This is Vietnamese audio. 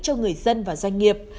cho người dân và doanh nghiệp